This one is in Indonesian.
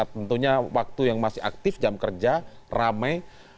tentunya waktu yang masih aktif jam kerja ramai